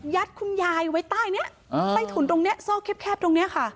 ยัดคุณยายไว้ใต้เนี่ยใต้ถุนตรงเนี่ยซ่อแคบตรงเนี่ยค่ะ